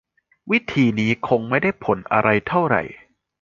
วิธีนี้คงไม่ได้ผลอะไรเท่าไหร่